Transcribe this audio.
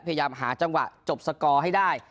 พยายามหาจังหวะจบสกอร์ให้ได้